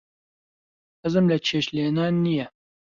حەزم لە چێشت لێنان نییە.